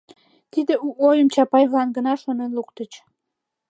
Тиде у ойым Чапаевлан гына шонен луктыч.